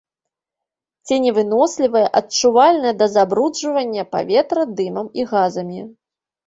Ценевынослівая, адчувальная да забруджвання паветра дымам і газамі.